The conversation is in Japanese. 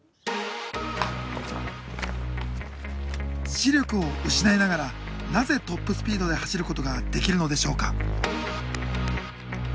視力を失いながらなぜトップスピードで走ることができるのでしょうか。